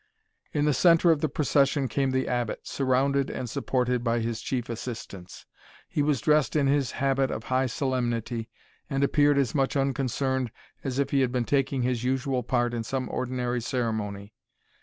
In the centre of the procession came the Abbot, surrounded and supported by his chief assistants. He was dressed in his habit of high solemnity, and appeared as much unconcerned as if he had been taking his usual part in some ordinary ceremony.